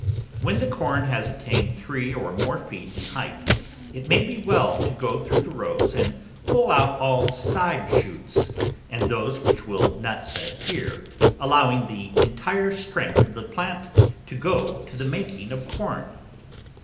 When the corn has attained three or more feet in height, it will be well to go through the rows and pull out all side shoots and those which will not set ear, allowing the entire strength of the plant to go to the making of corn.